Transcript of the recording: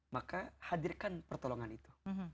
maka hadirkan pertolongan itu